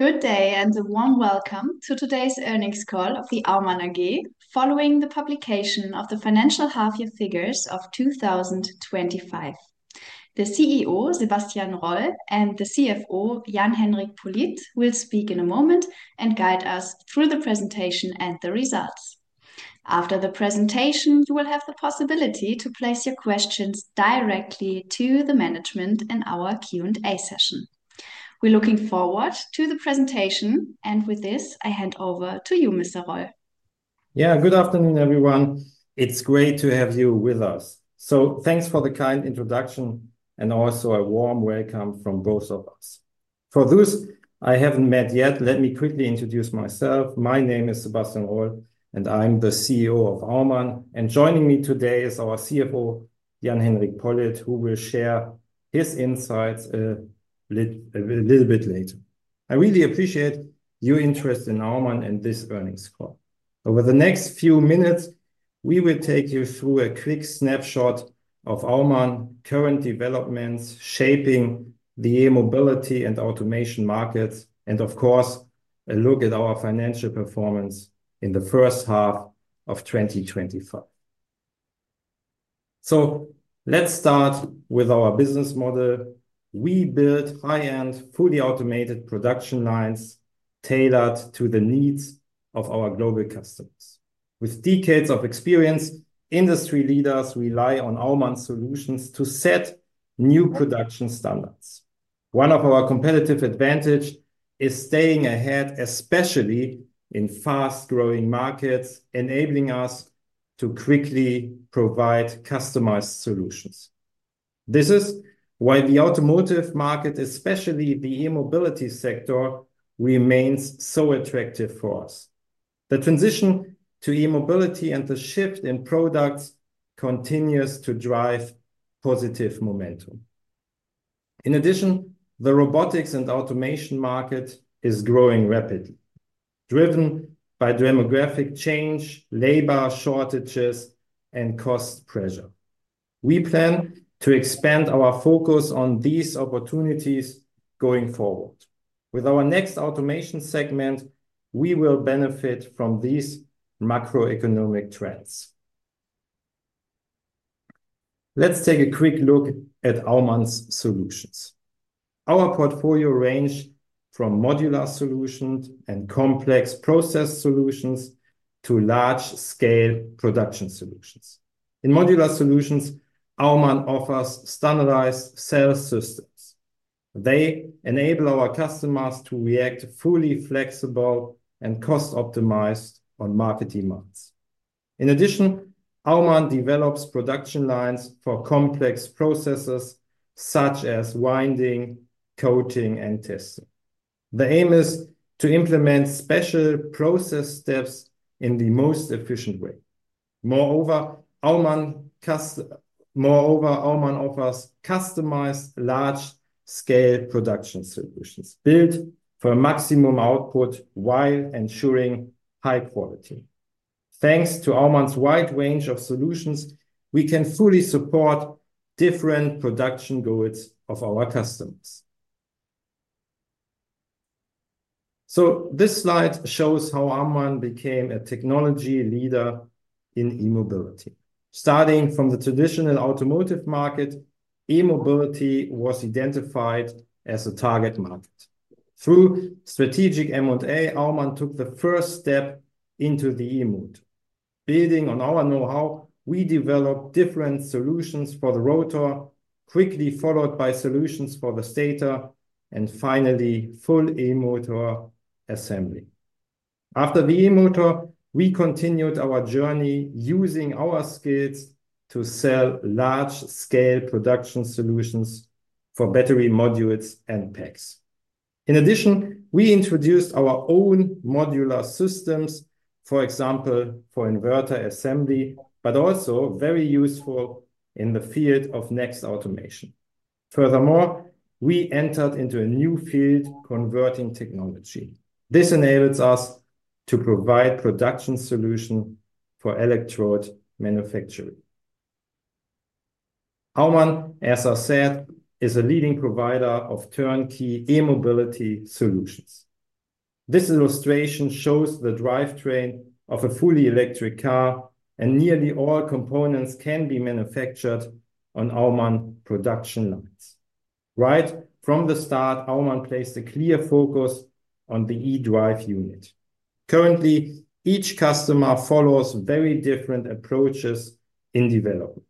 Good day and a warm welcome to today's Earnings Call of Aumann AG following the publication of the financial half-year figures of 2025. The CEO, Sebastian Roll, and the CFO, Jan-Henrik Pollitt, will speak in a moment and guide us through the presentation and the results. After the presentation, you will have the possibility to place your questions directly to the management in our Q&A session. We're looking forward to the presentation, and with this, I hand over to you, Mr. Roll. Good afternoon, everyone. It's great to have you with us. Thanks for the kind introduction and also a warm welcome from both of us. For those I haven't met yet, let me quickly introduce myself. My name is Sebastian Roll, and I'm the CEO of Aumann. Joining me today is our CFO, Jan-Henrik Pollitt, who will share his insights a little bit later. I really appreciate your interest in Aumann and this earnings call. Over the next few minutes, we will take you through a quick snapshot of Aumann's current developments shaping the e-mobility and automation markets, and of course, a look at our financial performance in the first half of 2025. Let's start with our business model. We build high-end, fully automated production lines tailored to the needs of our global customers. With decades of experience, industry leaders rely on Aumann's solutions to set new production standards. One of our competitive advantages is staying ahead, especially in fast-growing markets, enabling us to quickly provide customized solutions. This is why the automotive market, especially the e-mobility sector, remains so attractive for us. The transition to e-mobility and the shift in products continue to drive positive momentum. In addition, the robotics and automation market is growing rapidly, driven by demographic change, labor shortages, and cost pressure. We plan to expand our focus on these opportunities going forward. With our next automation segment, we will benefit from these macroeconomic trends. Let's take a quick look at Aumann's solutions. Our portfolio ranges from modular solutions and complex process solutions to large-scale production solutions. In modular solutions, Aumann offers standardized cell systems. They enable our customers to react fully flexible and cost-optimized on market demands. In addition, Aumann develops production lines for complex processes such as winding, coating, and testing. The aim is to implement special process steps in the most efficient way. Moreover, Aumann offers customized, large-scale production solutions built for maximum output while ensuring high quality. Thanks to Aumann's wide range of solutions, we can fully support different production goals of our customers. This slide shows how Aumann became a technology leader in e-mobility. Starting from the traditional automotive market, e-mobility was identified as a target market. Through strategic M&A, Aumann took the first step into the e-motor. Building on our know-how, we developed different solutions for the rotor, quickly followed by solutions for the stator, and finally, full e-motor assembly. After the e-motor, we continued our journey using our skills to sell large-scale production solutions for battery modules and packs. In addition, we introduced our own modular solutions, for example, for inverter assembly systems, but also very useful in the field of next automation. Furthermore, we entered into a new field, converting technology. This enables us to provide production solutions for electrode manufacturing. Aumann, as I said, is a leading provider of turnkey e-mobility solutions. This illustration shows the drivetrain of a fully electric car, and nearly all components can be manufactured on Aumann production lines. Right from the start, Aumann placed a clear focus on the eDrive unit. Currently, each customer follows very different approaches in development.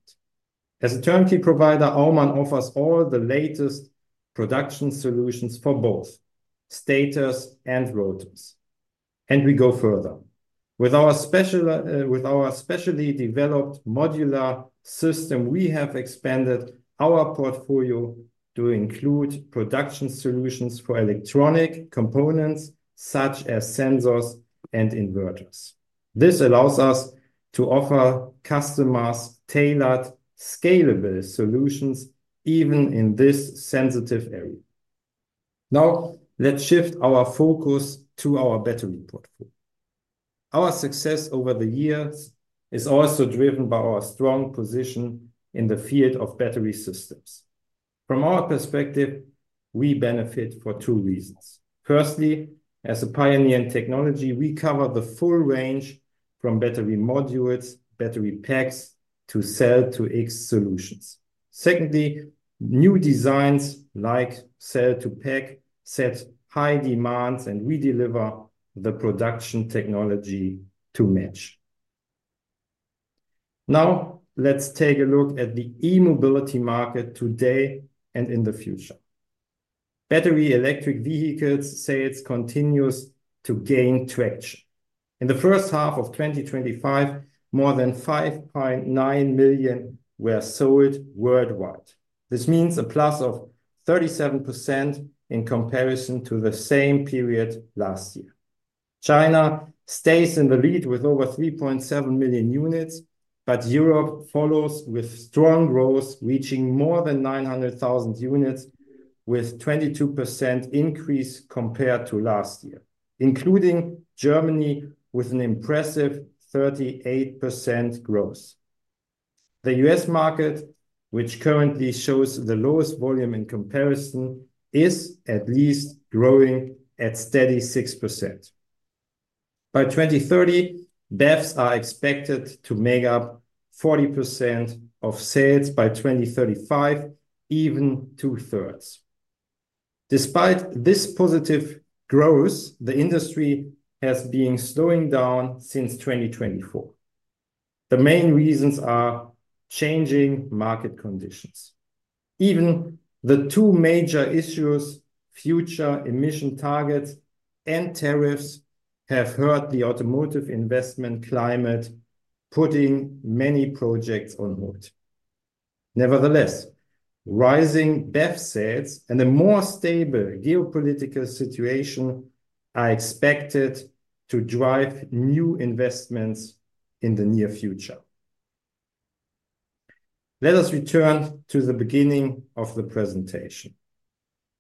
As a turnkey provider, Aumann offers all the latest production solutions for both stators and rotors. We go further. With our specially developed modular solutions, we have expanded our portfolio to include production solutions for electronic components such as sensors and inverters. This allows us to offer customers tailored scalable solutions even in this sensitive area. Now, let's shift our focus to our battery portfolio. Our success over the years is also driven by our strong position in the field of battery systems. From our perspective, we benefit for two reasons. Firstly, as a pioneer in technology, we cover the full range from battery modules, battery packs, to Cell-to-X solutions. Secondly, new designs like Cell-to-Pack set high demands, and we deliver the production technology to match. Now, let's take a look at the e-mobility market today and in the future. Battery electric vehicle sales continue to gain traction. In the first half of 2025, more than 5.9 million were sold worldwide. This means a plus of 37% in comparison to the same period last year. China stays in the lead with over 3.7 million units, but Europe follows with strong growth, reaching more than 900,000 units, with a 22% increase compared to last year, including Germany with an impressive 38% growth. The U.S. market, which currently shows the lowest volume in comparison, is at least growing at a steady 6%. By 2030, BEVs are expected to make up 40% of sales. By 2035, even 2/3. Despite this positive growth, the industry has been slowing down since 2024. The main reasons are changing market conditions. Even the two major issues, future emission targets and tariffs, have hurt the automotive investment climate, putting many projects on hold. Nevertheless, rising BEV sales and a more stable geopolitical situation are expected to drive new investments in the near future. Let us return to the beginning of the presentation.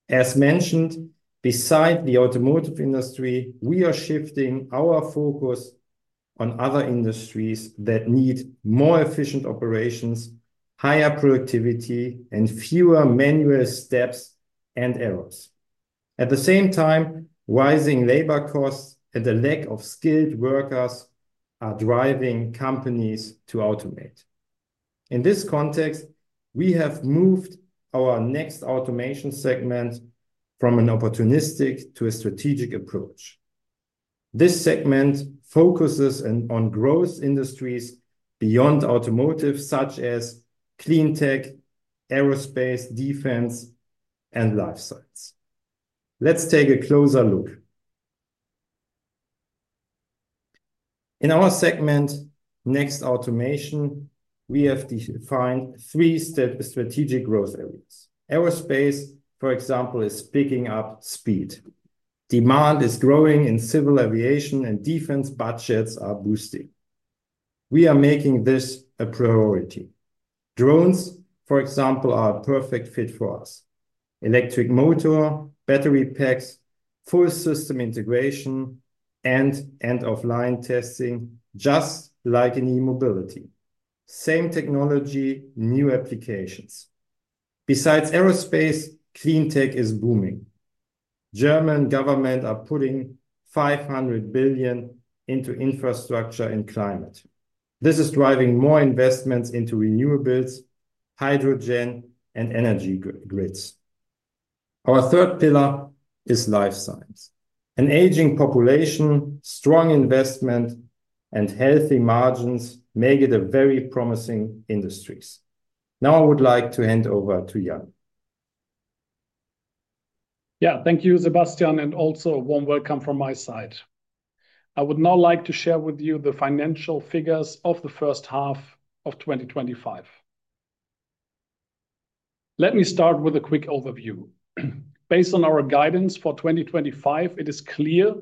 As mentioned, besides the automotive industry, we are shifting our focus on other industries that need more efficient operations, higher productivity, and fewer manual steps and errors. At the same time, rising labor costs and the lack of skilled workers are driving companies to automate. In this context, we have moved our next automation segment from an opportunistic to a strategic approach. This segment focuses on growth industries beyond automotive, such as clean tech, aerospace, defense, and life science. Let's take a closer look. In our segment, next automation, we have defined three strategic growth areas. Aerospace, for example, is picking up speed. Demand is growing in civil aviation, and defense budgets are boosting. We are making this a priority. Drones, for example, are a perfect fit for us. Electric motors, battery packs, full system integration, and end-of-line testing, just like in e-mobility. Same technology, new applications. Besides aerospace, clean tech is booming. The German government is putting 500 billion into infrastructure and climate. This is driving more investments into renewables, hydrogen, and energy grids. Our third pillar is life science. An aging population, strong investment, and healthy margins make it a very promising industry. Now, I would like to hand over to Jan. Thank you, Sebastian, and also a warm welcome from my side. I would now like to share with you the financial figures of the first half of 2025. Let me start with a quick overview. Based on our guidance for 2025, it is clear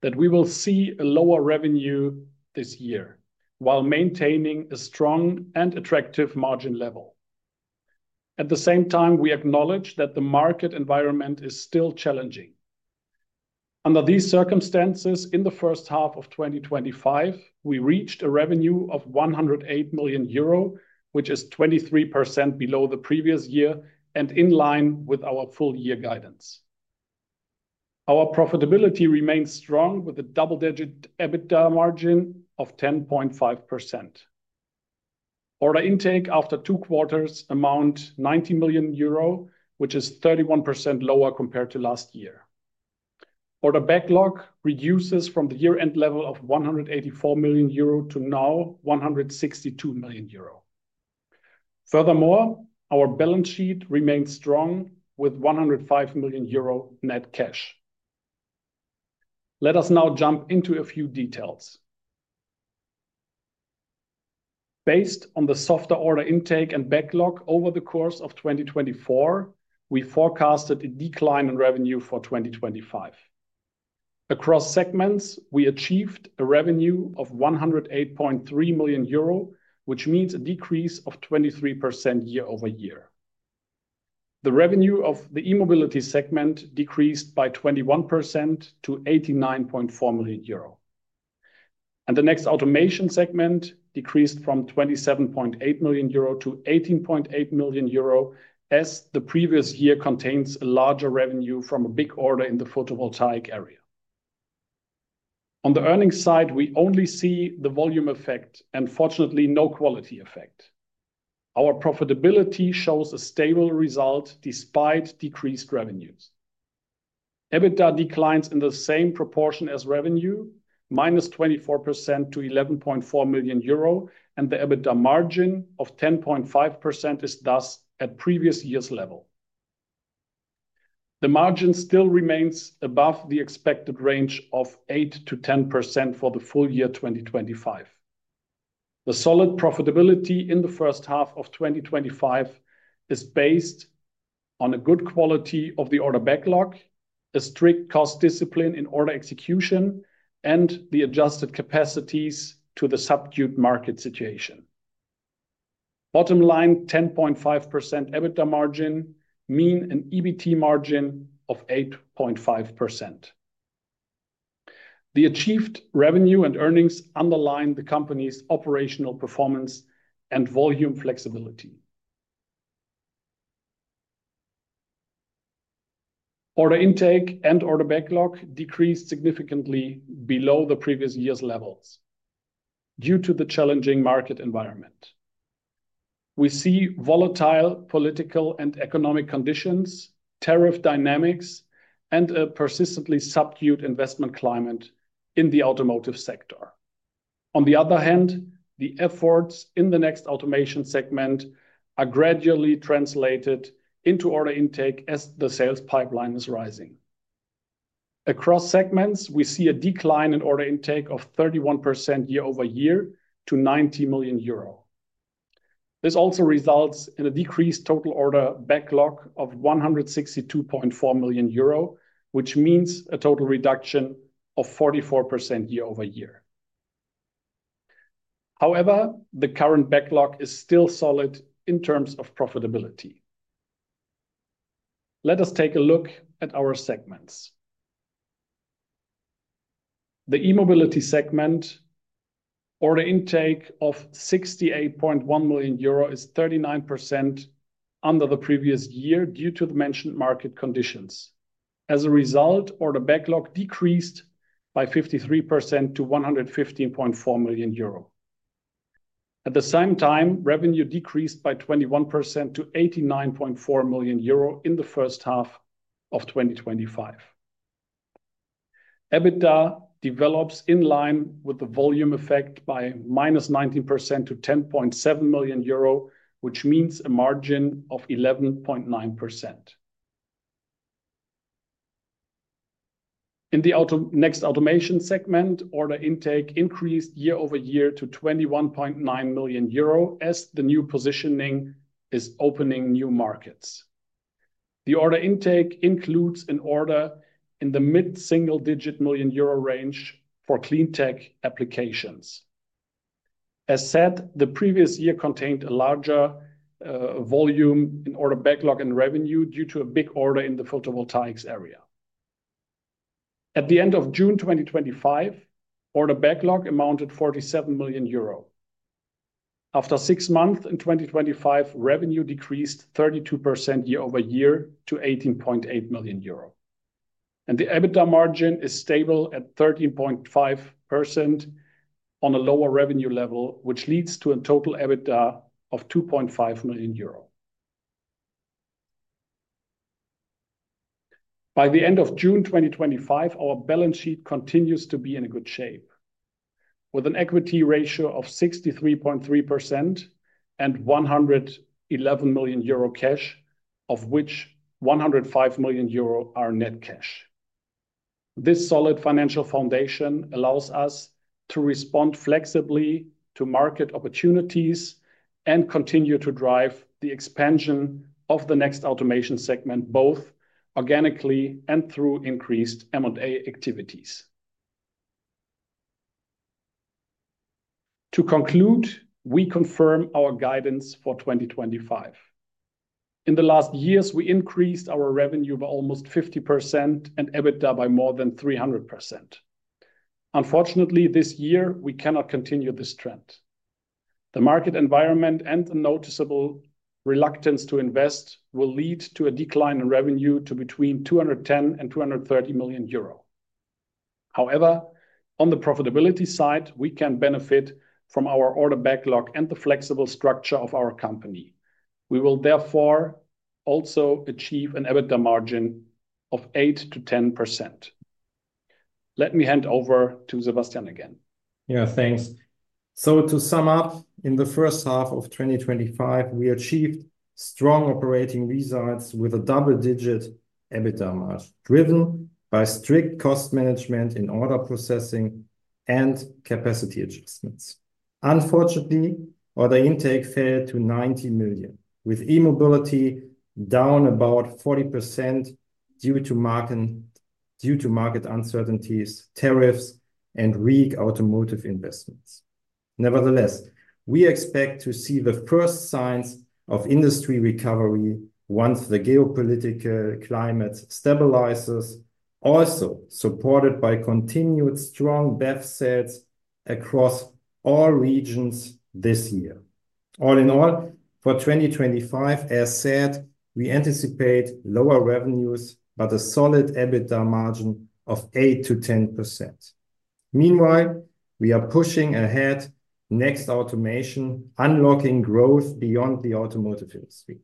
that we will see a lower revenue this year while maintaining a strong and attractive margin level. At the same time, we acknowledge that the market environment is still challenging. Under these circumstances, in the first half of 2025, we reached a revenue of 108 million euro, which is 23% below the previous year and in line with our full-year guidance. Our profitability remains strong with a double-digit EBITDA margin of 10.5%. Order intake after two quarters amounts to 90 million euro, which is 31% lower compared to last year. Order backlog reduces from the year-end level of 184 million euro to now 162 million euro. Furthermore, our balance sheet remains strong with 105 million euro net cash. Let us now jump into a few details. Based on the softer order intake and backlog over the course of 2024, we forecasted a decline in revenue for 2025. Across segments, we achieved a revenue of 108.3 million euro, which means a decrease of 23% year-over-year. The revenue of the e-mobility segment decreased by 21% to 89.4 million euro. The next automation segment decreased from 27.8 million euro to 18.8 million euro, as the previous year contains a larger revenue from a big order in the photovoltaic area. On the earnings side, we only see the volume effect and, fortunately, no quality effect. Our profitability shows a stable result despite decreased revenues. EBITDA declines in the same proportion as revenue, -24% to 11.4 million euro, and the EBITDA margin of 10.5% is thus at the previous year's level. The margin still remains above the expected range of 8%-10% for the full year 2025. The solid profitability in the first half of 2025 is based on a good quality of the order backlog, a strict cost discipline in order execution, and the adjusted capacities to the subdued market situation. Bottom line: 10.5% EBITDA margin means an EBT margin of 8.5%. The achieved revenue and earnings underline the company's operational performance and volume flexibility. Order intake and order backlog decreased significantly below the previous year's levels due to the challenging market environment. We see volatile political and economic conditions, tariff dynamics, and a persistently subdued investment climate in the automotive sector. On the other hand, the efforts in the next automation segment are gradually translated into order intake as the sales pipeline is rising. Across segments, we see a decline in order intake of 31% year-over-year to 90 million euro. This also results in a decreased total order backlog of 162.4 million euro, which means a total reduction of 44% year-over-year. However, the current backlog is still solid in terms of profitability. Let us take a look at our segments. The e-mobility segment, order intake of 68.1 million euro, is 39% under the previous year due to the mentioned market conditions. As a result, order backlog decreased by 53% to 115.4 million euro. At the same time, revenue decreased by 21% to 89.4 million euro in the first half of 2025. EBITDA develops in line with the volume effect by -19% to 10.7 million euro, which means a margin of 11.9%. In the next automation segment, order intake increased year-over-year to 21.9 million euro as the new positioning is opening new markets. The order intake includes an order in the mid-single-digit million euro range for clean tech applications. As said, the previous year contained a larger volume in order backlog and revenue due to a big order in the photovoltaics area. At the end of June 2025, order backlog amounted to 47 million euro. After six months in 2025, revenue decreased 32% year-over-year to 18.8 million euro. The EBITDA margin is stable at 13.5% on a lower revenue level, which leads to a total EBITDA of 2.5 million euro. By the end of June 2025, our balance sheet continues to be in a good shape, with an equity ratio of 63.3% and 111 million euro cash, of which 105 million euro are net cash. This solid financial foundation allows us to respond flexibly to market opportunities and continue to drive the expansion of the next automation segment, both organically and through increased Aumann AG activities. To conclude, we confirm our guidance for 2025. In the last years, we increased our revenue by almost 50% and EBITDA by more than 300%. Unfortunately, this year, we cannot continue this trend. The market environment and a noticeable reluctance to invest will lead to a decline in revenue to between 210 million and 230 million euro. However, on the profitability side, we can benefit from our order backlog and the flexible structure of our company. We will therefore also achieve an EBITDA margin of 8%-10%. Let me hand over to Sebastian again. Thanks. To sum up, in the first half of 2025, we achieved strong operating results with a double-digit EBITDA margin, driven by strict cost management in order processing and capacity adjustments. Unfortunately, order intake fell to 90 million, with e-mobility down about 40% due to market uncertainties, tariffs, and weak automotive investments. Nevertheless, we expect to see the first signs of industry recovery once the geopolitical climate stabilizes, also supported by continued strong BEV sales across all regions this year. All in all, for 2025, as said, we anticipate lower revenues but a solid EBITDA margin of 8%-10%. Meanwhile, we are pushing ahead next automation, unlocking growth beyond the automotive field.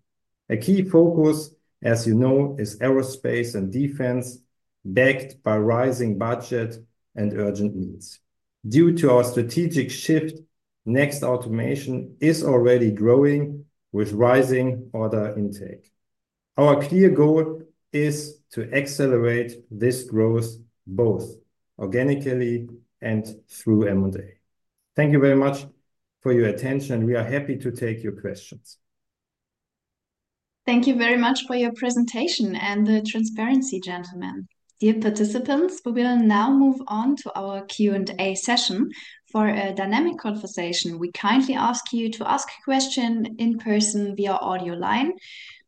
A key focus, as you know, is aerospace and defense, backed by rising budgets and urgent needs. Due to our strategic shift, next automation is already growing with rising order intake. Our clear goal is to accelerate this growth both organically and through Aumann AG. Thank you very much for your attention, and we are happy to take your questions. Thank you very much for your presentation and the transparency, gentlemen. Dear participants, we will now move on to our Q&A session. For a dynamic conversation, we kindly ask you to ask a question in person via audio line.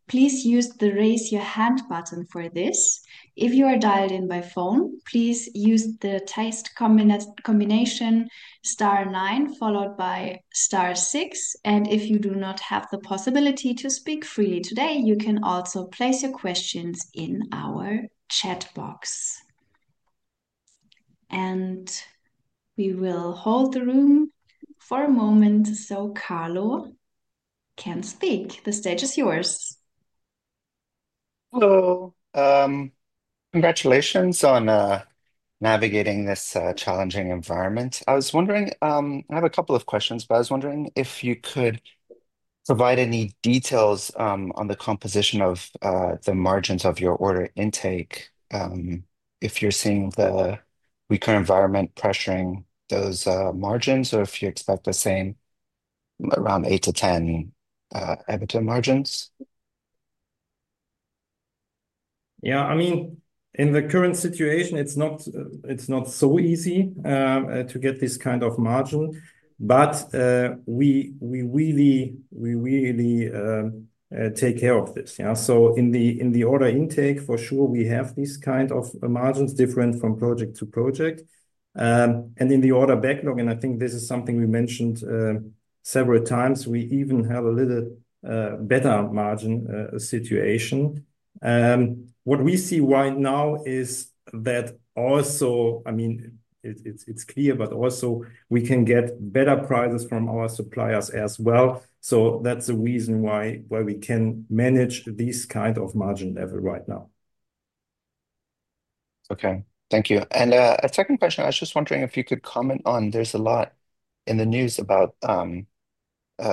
Please use the raise your hand button for this. If you are dialed in by phone, please use the text combination star nine followed by star six. If you do not have the possibility to speak freely today, you can also place your questions in our chat box. We will hold the room for a moment so Carlo can speak. The stage is yours. Hello. Congratulations on navigating this challenging environment. I was wondering, I have a couple of questions, if you could provide any details on the composition of the margins of your order intake, if you're seeing the weaker environment pressuring those margins, or if you expect the same around 8%-10% EBITDA margins. Yeah, I mean, in the current situation, it's not so easy to get this kind of margin, but we really take care of this. In the order intake, for sure, we have these kinds of margins different from project to project. In the order backlog, and I think this is something we mentioned several times, we even have a little better margin situation. What we see right now is that also, I mean, it's clear, but also we can get better prices from our suppliers as well. That's the reason why we can manage this kind of margin level right now. Thank you. A second question, I was just wondering if you could comment on, there's a lot in the news about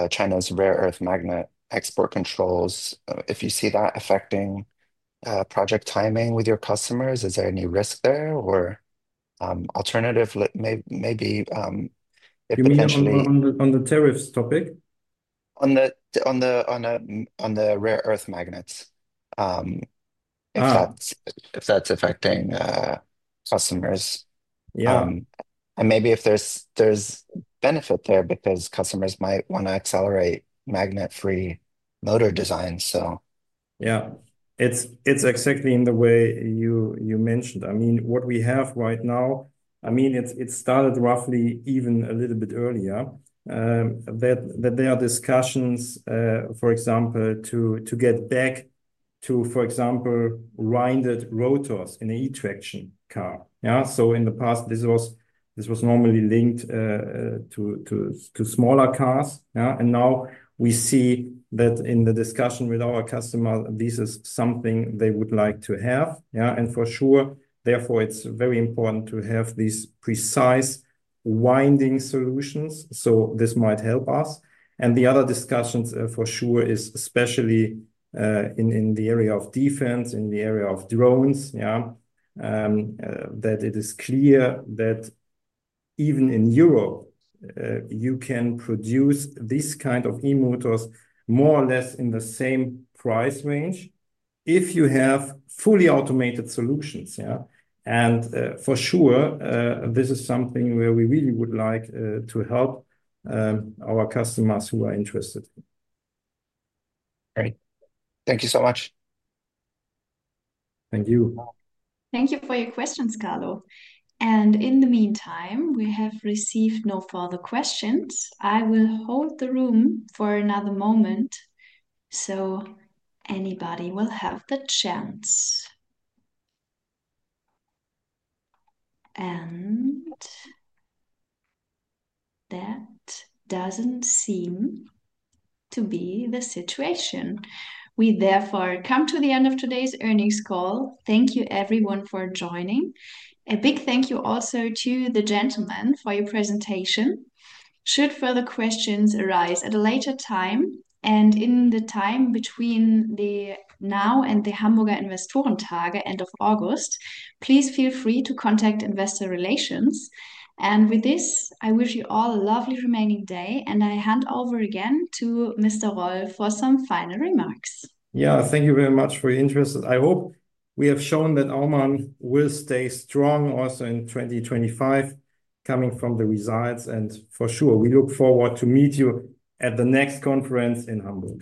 China's rare earth magnet export controls. If you see that affecting project timing with your customers, is there any risk there or alternative? You mean on the tariffs topic? On the rare earth magnets, if that's affecting customers. Yeah. There may be benefit there because customers might want to accelerate magnet-free motor design. Yeah, it's exactly in the way you mentioned. I mean, what we have right now, it started roughly even a little bit earlier. There are discussions, for example, to get back to, for example, winded rotors in an e-traction car. In the past, this was normally linked to smaller cars. Now we see that in the discussion with our customers, this is something they would like to have. For sure, therefore, it's very important to have these precise winding solutions. This might help us. The other discussions for sure are especially in the area of defense, in the area of drones. It is clear that even in Europe, you can produce these kinds of e-motors more or less in the same price range if you have fully automated solutions. For sure, this is something where we really would like to help our customers who are interested. Thank you so much. Thank you. Thank you for your questions, Carlo. In the meantime, we have received no further questions. I will hold the room for another moment so anybody will have the chance. That doesn't seem to be the situation. We therefore come to the end of today's Earnings Call. Thank you, everyone, for joining. A big thank you also to the gentlemen for your presentation. Should further questions arise at a later time, and in the time between now and the Hamburger Investorentage, end of August, please feel free to contact Investor Relations. With this, I wish you all a lovely remaining day, and I hand over again to Mr. Roll for some final remarks. Thank you very much for your interest. I hope we have shown that Aumann will stay strong also in 2025, coming from the results. We look forward to meeting you at the next conference in Hamburg.